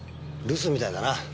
留守みたいだな。